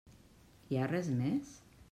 Hi ha res més?